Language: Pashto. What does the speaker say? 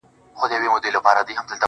مجبوره يم مجبوره يم مجبوره يم يـــارانــو,